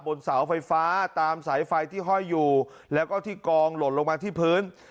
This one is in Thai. เสาไฟฟ้าตามสายไฟที่ห้อยอยู่แล้วก็ที่กองหล่นลงมาที่พื้น